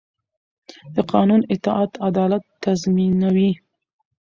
د قانون اطاعت عدالت تضمینوي